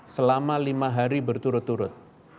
selama lima hari berturut turut